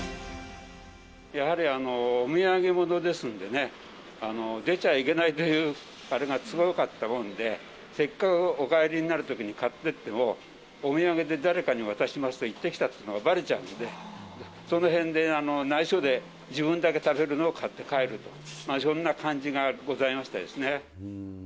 やはりお土産物ですんでね、出ちゃいけないというあれが強かったもんで、せっかくお帰りになるときに買ってっても、お土産で誰かに渡しますと、行ってきたっていうのがばれちゃうんで、そのへんで内緒で、自分だけ食べるのを買って帰ると、そんな感じがございましたですね。